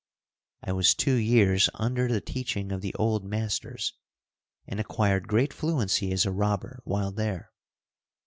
I was two years under the teaching of the old masters, and acquired great fluency as a robber while there.